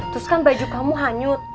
terus kan baju kamu hanyut